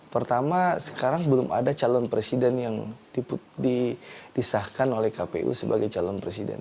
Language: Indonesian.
pertama sekarang belum ada calon presiden yang disahkan oleh kpu sebagai calon presiden